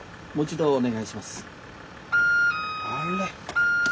あれ？